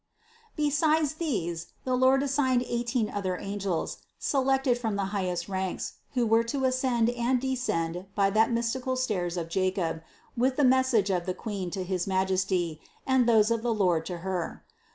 Be sides these the Lord assigned eighteen other angels, se THE CONCEPTION 169 lected from the highest ranks, who were to ascend and descend by that mystical stairs of Jacob with the mes sage of the Queen to his Majesty and those of the Lord to Her.